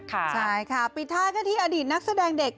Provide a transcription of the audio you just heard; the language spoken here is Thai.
ใช่ค่ะปิดท้ายกันที่อดีตนักแสดงเด็ก